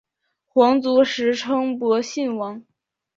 皇族时称博信王。